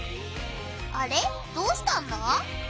あれどうしたんだ？